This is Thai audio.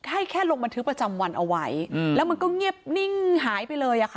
ให้แค่ลงบันทึกประจำวันเอาไว้แล้วมันก็เงียบนิ่งหายไปเลยอะค่ะ